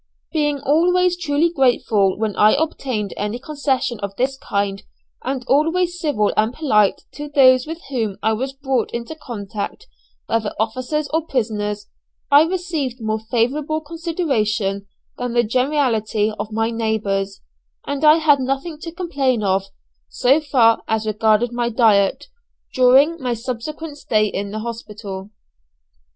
Being always truly grateful when I obtained any concession of this kind, and always civil and polite to those with whom I was brought into contact, whether officers or prisoners, I received more favourable consideration than the generality of my neighbours; and I had nothing to complain of, so far as regarded diet, during my subsequent stay in the hospital.